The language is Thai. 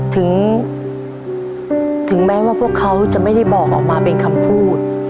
ถึงแม้ว่าพวกเขาจะไม่ได้บอกออกมาเป็นคำพูด